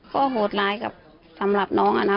ก็โหดร้ายกับสำหรับน้องอะนะ